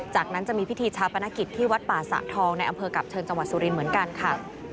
จากนั้นจะมีพิธีชาปนกิจที่วัดป่าสะทองในอำเภอกับเชิงจังหวัดสุรินทร์เหมือนกันค่ะ